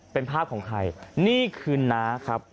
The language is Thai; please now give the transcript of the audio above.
เป็นภาพของใครนี่คือน้าครับ